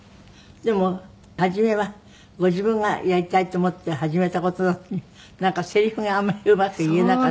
でも初めはご自分がやりたいと思って始めた事なのになんかセリフがあんまりうまく言えなかった？